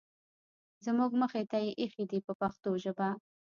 زموږ مخې ته یې اېښي دي په پښتو ژبه.